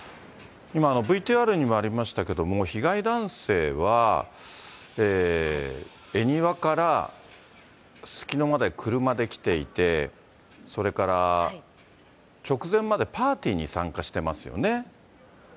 今、ＶＴＲにもありましたけども、被害男性は恵庭からすすきのまで車で来ていて、それから直前までパーティーに参加してますよね。